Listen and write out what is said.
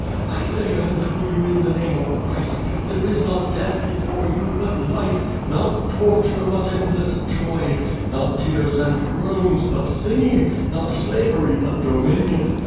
1 say unto you in the name of Christ: There is not death before you, but life; not toi ture, but endless joy; not tears and groans, but singing; not slavery, but dominion!